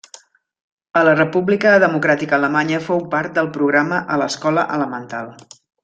A la República Democràtica Alemanya, fou part del programa a l'escola elemental.